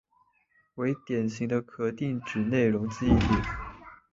为典型的可定址内容记忆体。